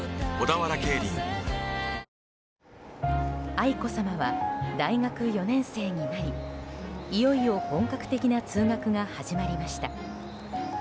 愛子さまは大学４年生になりいよいよ本格的な通学が始まりました。